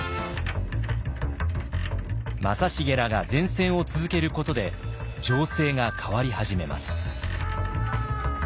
正成らが善戦を続けることで情勢が変わり始めます。